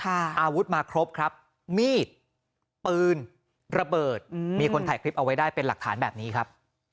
อาวุธมาครบครับมีดปืนระเบิดมีคนถ่ายคลิปเอาไว้ได้เป็นหลักฐานแบบนี้ครับ